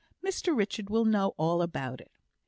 Mr Richard will know all about it."